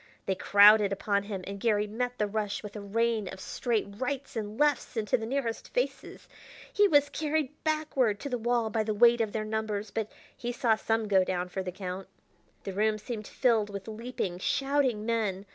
They crowded upon him, and Garry met the rush with a rain of straight rights and lefts into the nearest faces. He was carried backward to the wall by the weight of their numbers, but he saw some go down for the count. The room seemed filled with leaping, shouting men.